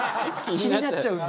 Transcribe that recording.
気になっちゃうんだ。